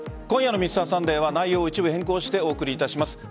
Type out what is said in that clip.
今夜の「Ｍｒ．サンデー」は内容を一部変更してお送りいたします。